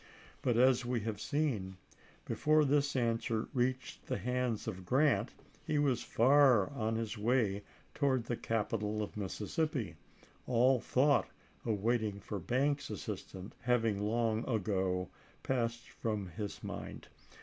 But as we have seen, before this answer reached the hands of Grant, he was far on his way towards the capital of Mississippi, all thought of waiting for Banks's assistance having long ago passed from his mind.